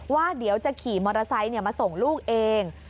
ว่าเดี๋ยวจะขี่มอเตอร์ไซค์มาส่งลูกเอง